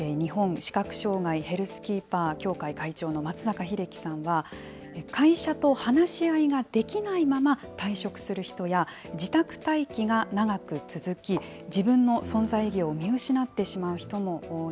日本視覚障害ヘルスキーパー協会会長の松坂英紀さんは、会社と話し合いができないまま退職する人や、自宅待機が長く続き、自分の存在意義を見失ってしまう人も多い。